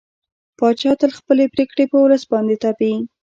پاچا تل خپلې پرېکړې په ولس باندې تپي.